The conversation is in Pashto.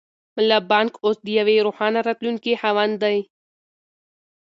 ملا بانګ اوس د یوې روښانه راتلونکې خاوند دی.